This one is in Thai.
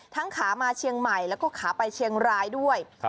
ขามาเชียงใหม่แล้วก็ขาไปเชียงรายด้วย